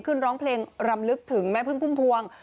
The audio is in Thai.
ร้องเพลงรำลึกถึงแม่พึ่งพุ่มพวง